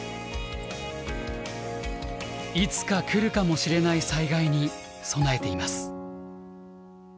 いつか来るかもしれない災害に備えています。